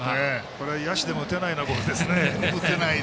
これは野手でも打てないようなボールですね。